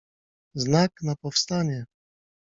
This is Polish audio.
Znak na powstanie.